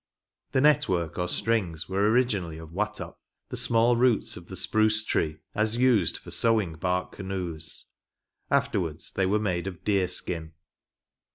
The net work or strings were originally of wattup, the small roots of the spruce tree as used for sewing bark canoes ; ‚ÄĒ afterwards they were made of deer skin.